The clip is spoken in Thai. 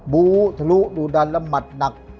บูทะลุดูดันและหมัดหนัก